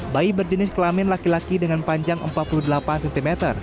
bayi berjenis kelamin laki laki dengan panjang empat puluh delapan cm